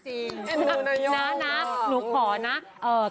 พี่ดูหน่ายยอม